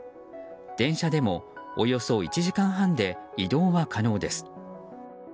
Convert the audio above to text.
電車でもおよそ１時間半で移動は可能です。